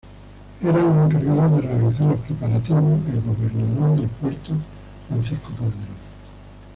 Eran los encargados de realizar los preparativos el gobernador del puerto Francisco Calderón.